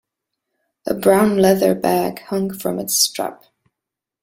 A brown leather bag hung from its strap.